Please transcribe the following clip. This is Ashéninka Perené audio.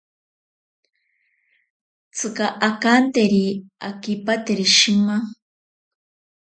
Tsika akanteri akipateri shima.